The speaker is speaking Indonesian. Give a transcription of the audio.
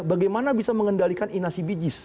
bagaimana bisa mengendalikan inasi bijis